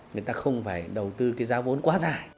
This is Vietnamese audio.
người ta không phải đầu tư cái giá vốn quá dài